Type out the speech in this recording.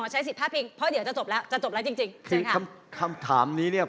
เพราะเดี๋ยวจะจบแล้วจะจบแล้วจริงจริงเชิญค่ะคือคำถามนี้เนี้ย